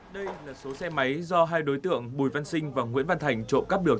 đây là số xe máy do hai đối tượng bùi văn sinh và nguyễn văn thành trộm cắp được